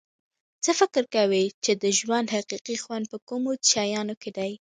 څه فکر کوی چې د ژوند حقیقي خوند په کومو شیانو کې ده